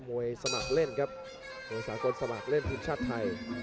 มวยสมัครเล่นครับมวยสากลสมัครเล่นทีมชาติไทย